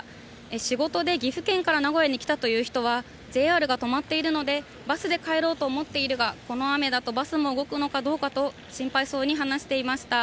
仕事で岐阜県から名古屋に来たという人は、ＪＲが止まっているので、バスで帰ろうと思っているが、この雨だとバスも動くのかどうかと心配そうに話していました。